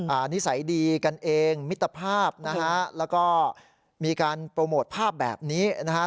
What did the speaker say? นิสัยดีกันเองมิตรภาพนะฮะแล้วก็มีการโปรโมทภาพแบบนี้นะฮะ